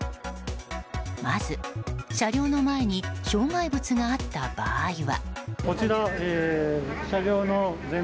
まず、車両の前に障害物があった場合は。